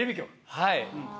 はい。